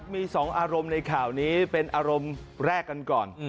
มี๒อารมณ์ในข่าวนี้เป็นอารมณ์แรกกันก่อน